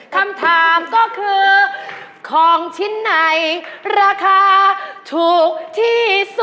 คำถามก็คือของชิ้นไหนราคาถูกที่สุด